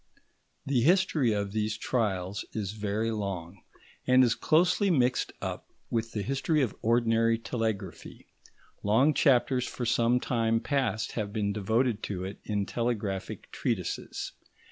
The history of these trials is very long, and is closely mixed up with the history of ordinary telegraphy; long chapters for some time past have been devoted to it in telegraphic treatises.